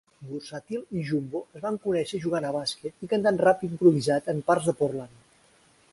Vursatyl i Jumbo es van conèixer jugant a bàsquet i cantant rap improvisat en parcs de Portland.